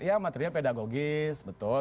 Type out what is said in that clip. iya materinya pedagogis betul